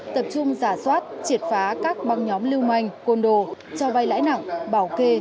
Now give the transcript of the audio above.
tập trung giả soát triệt phá các băng nhóm lưu manh côn đồ cho vai lãi nặng bảo kê